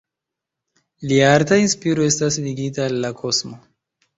Lia arta inspiro estas ligita al la kosmo.